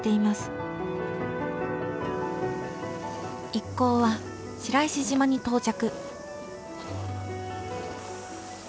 一行は白石島に到着。